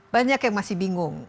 banyak yang masih bingung